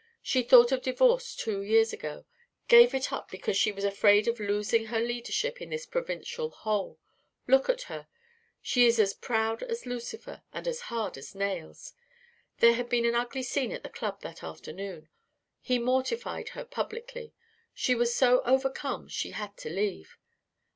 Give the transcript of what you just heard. She thought of divorce two years ago. Gave it up because she was afraid of losing her leadership in this provincial hole. Look at her. She is as proud as Lucifer. And as hard as nails. There had been an ugly scene at the club that afternoon. He mortified her publicly. She was so overcome she had to leave.